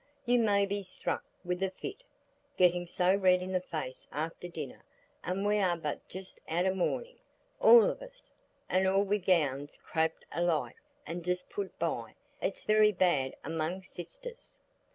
"You may be struck with a fit, getting so red in the face after dinner, and we are but just out o' mourning, all of us,—and all wi' gowns craped alike and just put by; it's very bad among sisters."